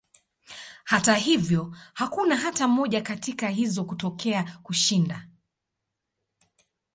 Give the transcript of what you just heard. Hata hivyo, hakuna hata moja katika hizo kutokea kushinda.